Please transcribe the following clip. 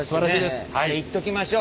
いっときましょう！